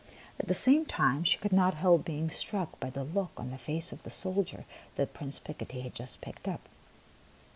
At the same time she could not help being struck by the look on the face of the soldier that Prince Picotee had just picked up.